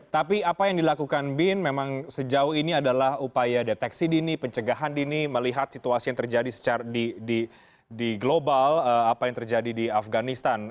tapi apa yang dilakukan bin memang sejauh ini adalah upaya deteksi dini pencegahan dini melihat situasi yang terjadi di global apa yang terjadi di afganistan